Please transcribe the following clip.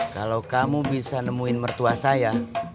kalau kamu bisa nemuin mertua saya